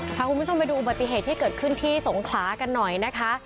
พาคุณผู้ชมไปดูอุบัติเหตุที่เกิดขึ้นที่สงขลากันหน่อยนะคะ